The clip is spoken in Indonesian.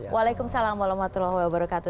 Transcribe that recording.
waalaikumsalam warahmatullahi wabarakatuh